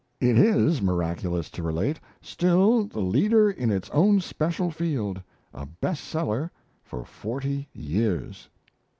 It is, miraculous to relate, still the leader in its own special field a "bestseller" for forty years!